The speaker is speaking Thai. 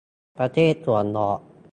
ประเทศสวนดอก